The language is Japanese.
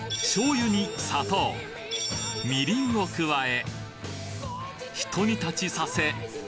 醤油に砂糖みりんを加えひと煮立ちさせ